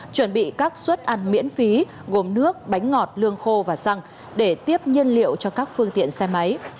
chuẩn bị các suất ăn miễn phí gồm nước bánh ngọt lương khô và xăng để tiếp nhiên liệu cho các phương tiện xe máy